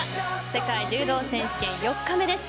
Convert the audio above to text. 世界柔道選手権４日目です。